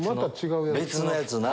別のやつな。